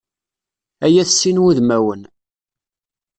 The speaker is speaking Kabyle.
Ay at sin wudmawen!